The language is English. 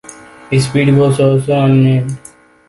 Speedy was also unnamed.